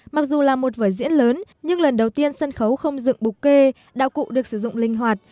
mặc dù là một vở diễn lớn nhưng lần đầu tiên sân khấu không dựng bục kê đạo cụ được sử dụng linh hoạt